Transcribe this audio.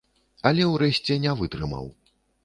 Але ўрэшце не вытрымаў.